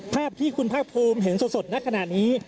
ภาพที่คุณภาคภูมิเห็นสดในขณะนี้